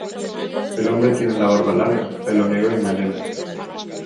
El hombre tiene la barba larga, pelo negro y melena.